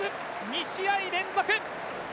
２試合連続！